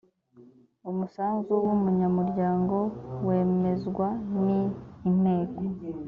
umusanzu w umunyamuryango wemezwa ni inteko